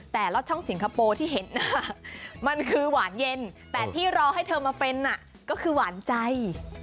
แต่ล็อตช่องสิงคโปร์ที่เห็นมันคือหวานเย็นแต่ที่รอให้เธอมาเป็นก็คือหวานใจ